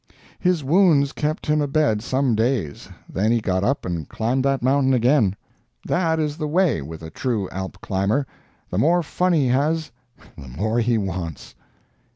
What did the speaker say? His wounds kept him abed some days. Then he got up and climbed that mountain again. That is the way with a true Alp climber; the more fun he has, the more he wants.